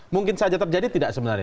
mungkin saja tetap jadi tidak sebenarnya